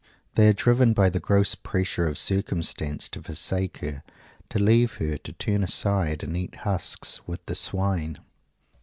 They are driven by the gross pressure of circumstance to forsake her, to leave her, to turn aside and eat husks with the swine!